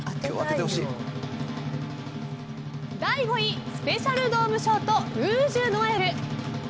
第５位スペシャルドームショートルージュノエル。